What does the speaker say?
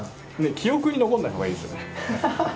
記憶に残んないほうがいいですよね。